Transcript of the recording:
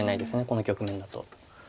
この局面だと。